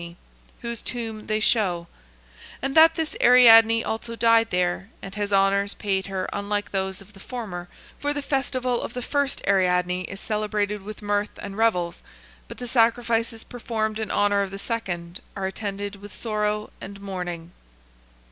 2 whose tomb they show; and that this Ariadne also died there, and has honours paid her unlike those of the former, for the festival of the first Ariadne is celebrated with mirth and revels, but the sacrifices performed in honour of the second are attended with sorrow and mourning.